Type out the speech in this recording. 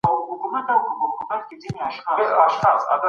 ازاد لوستونکي د علمي بحثونو مينه وال وي.